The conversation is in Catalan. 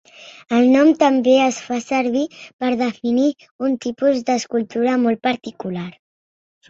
El nom també es fa servir per definir un tipus d'escultura molt particular.